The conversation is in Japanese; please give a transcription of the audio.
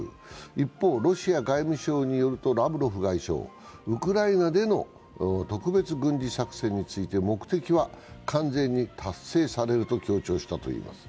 一方、ロシア外務省によるとラブロフ外相はウクライナでの特別軍事作戦について目的は完全に達成されると強調したといいます。